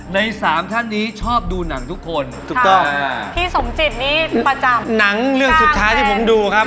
ในสามท่านนี้ชอบดูหนังทุกคนถูกต้องอ่าพี่สมจิตนี่ประจำหนังเรื่องสุดท้ายที่ผมดูครับ